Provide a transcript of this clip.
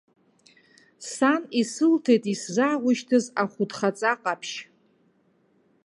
Сан исылҭеит исзааушьҭыз ахәыдхаҵа ҟаԥшь.